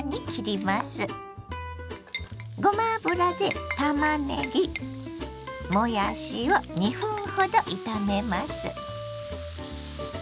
ごま油でたまねぎもやしを２分ほど炒めます。